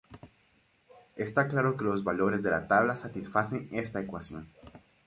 Está claro que los valores de la tabla satisfacen esta ecuación.